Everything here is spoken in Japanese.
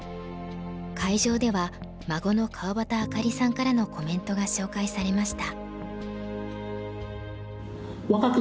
会場では孫の川端あかりさんからのコメントが紹介されました。